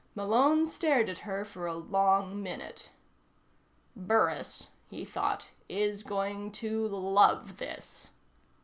Malone stared at her for a long minute. Burris, he thought, _is going to love this.